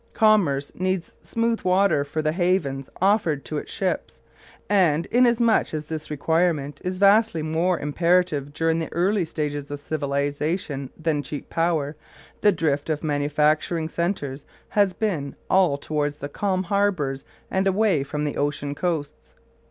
Commerce needs smooth water for the havens offered to its ships, and inasmuch as this requirement is vastly more imperative during the early stages of civilisation than cheap power, the drift of manufacturing centres has been all towards the calm harbours and away from the ocean coasts.